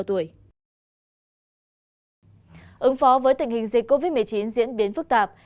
ứng phó với tình hình dịch covid một mươi chín diễn biến phức tạp